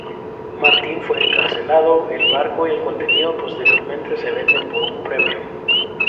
Martin fue encarcelado, el barco y el contenido posteriormente se venden por un premio.